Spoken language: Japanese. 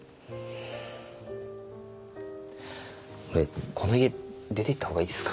俺この家出ていった方がいいですか？